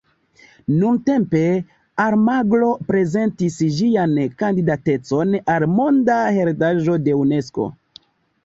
Nuntempe, Almagro prezentis ĝian kandidatecon al Monda heredaĵo de Unesko.